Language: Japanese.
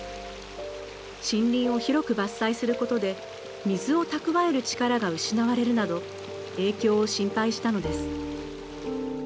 森林を広く伐採することで水を蓄える力が失われるなど影響を心配したのです。